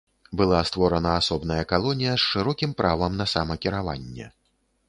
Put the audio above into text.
Была створана асобная калонія з шырокім правам на самакіраванне.